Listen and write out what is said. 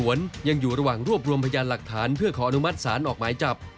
ยังอยู่ระหว่างรวบรวมพยานหลักฐานเพื่อขออนุมัติศาลออกหมายจับ